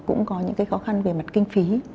cũng có những cái khó khăn về mặt kinh phí